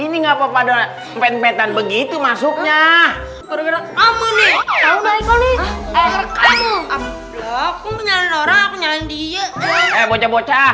ini enggak papa donat pen pen begitu masuknya